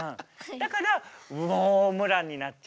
だからウオームランになっちゃう。